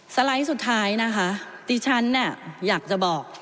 ไลด์สุดท้ายนะคะดิฉันเนี่ยอยากจะบอก